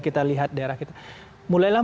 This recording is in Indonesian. kita lihat daerah kita mulailah